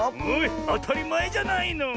あたりまえじゃないの。